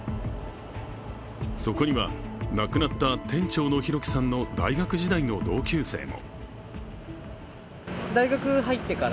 そこには、亡くなった店長の弘輝さんの大学時代の同級生も。